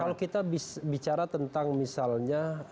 kalau kita bicara tentang misalnya